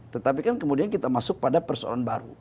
tetapi kan kemudian kita masuk pada persoalan baru